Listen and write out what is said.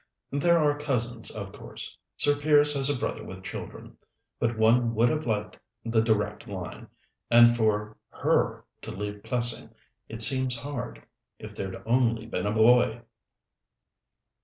"There are cousins, of course. Sir Piers has a brother with children. But one would have liked the direct line and for her to leave Plessing, it seems hard. If there'd only been a boy!"